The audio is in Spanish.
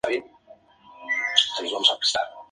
Dejaba esposa y cuatro hijos.